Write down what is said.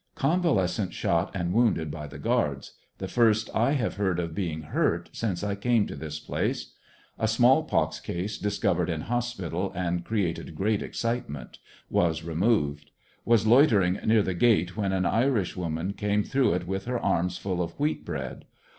Convalescent shot and wounded by the guards, the first I have heard of being hurt since I came to this place. A small pox case discovered in hospital and created great excitement. Was removed. Was loitering near the gate, when an Irish woman came through it with her arms full of wheat bread.